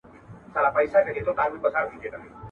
زه پوهېږم شیدې سپیني دي غوا توره.